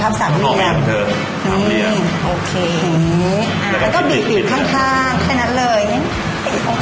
อ๋อภาพสรรค์นี้อืมโอเคแล้วก็บีบข้างแค่นั้นเลยโอเค